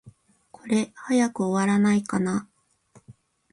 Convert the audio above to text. これ、早く終わらないかな。